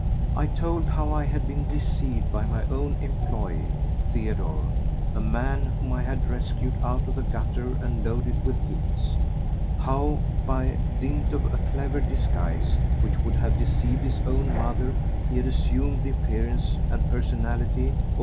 I told how I had been deceived by my own employé, Theodore, a man whom I had rescued out of the gutter and loaded with gifts, how by dint of a clever disguise which would have deceived his own mother he had assumed the appearance and personality of M.